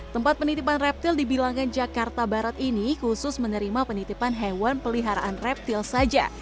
tempat penitipan reptil di bilangan jakarta barat ini khusus menerima penitipan hewan peliharaan reptil saja